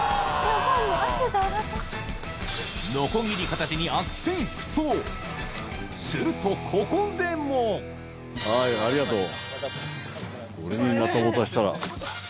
ノコギリ片手にするとここでもはいありがとう。